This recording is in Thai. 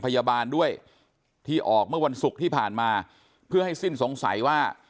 พยาบาลด้วยที่ออกเมื่อวันศุกร์ที่ผ่านมาเพื่อให้สิ้นสงสัยว่า